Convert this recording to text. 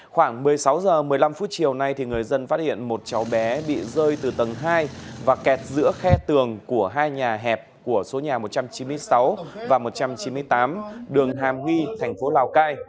khoảng một mươi sáu h một mươi năm phút chiều nay người dân phát hiện một cháu bé bị rơi từ tầng hai và kẹt giữa khe tường của hai nhà hẹp của số nhà một trăm chín mươi sáu và một trăm chín mươi tám đường hàm nghi thành phố lào cai